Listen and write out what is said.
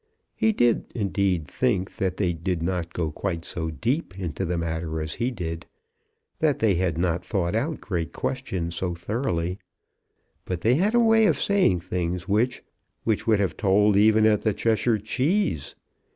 He did think, indeed, that they did not go quite so deep into the matter as he did, that they had not thought out great questions so thoroughly, but they had a way of saying things which, which would have told even at the Cheshire Cheese.